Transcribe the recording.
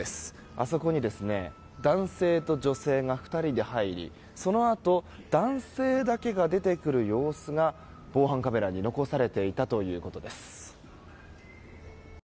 あそこに男性と女性が２人で入りそのあと男性だけが出てくる様子が防犯カメラに残されていたということです。